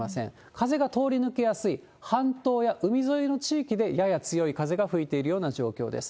風が通り抜けやすい半島や海沿いの地域でやや強い風が吹いているような状況です。